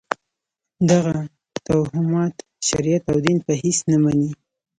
دغه توهمات شریعت او دین په هېڅ نه مني.